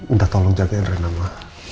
entah tolong jagain renama